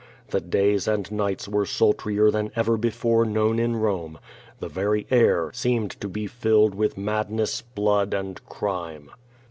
The days and nights were sultrier than ever before known in Rome. The very air seemed to be filled with mad ness, blood and crime.